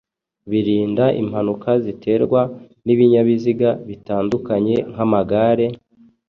birinda impanuka ziterwa n’ibinyabiziga bitandukanye nk’amagare,